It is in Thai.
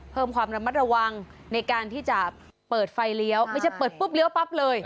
เพิ่มความระมัดระวังในการที่จะเปิดไฟเลี้ยวไม่ใช่เปิดปุ๊บเลี้ยวปั๊บเลย